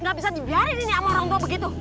gak bisa dibiarin ini sama orang tua begitu